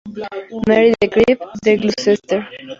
Mary de Crypt en Gloucester.